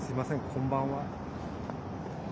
こんばんは。